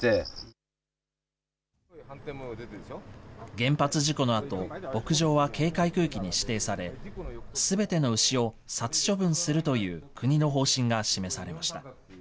原発事故のあと、牧場は警戒区域に指定され、すべての牛を殺処分するという国の方針が示されました。